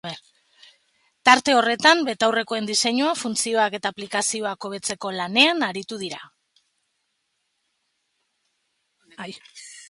Tarte horretan, betaurrekoen diseinua, funtzioak eta aplikazioak hobetzeko lanean aritu dira.